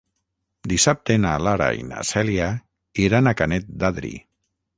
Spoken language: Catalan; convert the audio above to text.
Dissabte na Lara i na Cèlia iran a Canet d'Adri.